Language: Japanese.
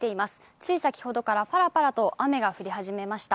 つい先ほどからパラパラと雨が降り始めました。